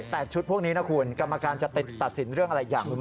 แต่ชุดพวกนี้นะคุณกรรมการจะติดตัดสินเรื่องอะไรอย่างรู้ไหม